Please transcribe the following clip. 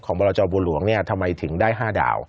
ของบลบลหลวงศ์ทำไมถึงได้๕ดาว